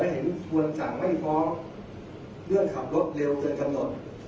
เห็นไหมนะส่วนสั่งไว้เพราะเรื่องขับรถเร็วเกินจำนวน